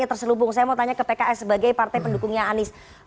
saya terselubung saya mau tanya ke pks sebagai partai pendukungnya anies